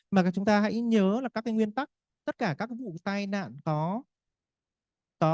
mà chúng ta hãy nhớ là các cái nguyên tắc tất cả các vụ tai nạn có